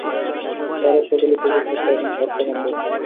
তাঁহারা সকলেই পবিত্রাত্মা ও স্বার্থগন্ধহীন।